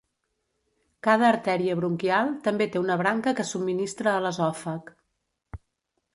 Cada artèria bronquial també té una branca que subministra a l'esòfag.